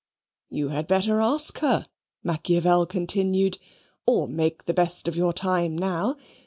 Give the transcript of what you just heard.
"You had better ask her," Machiavel continued, "or make the best of your time now.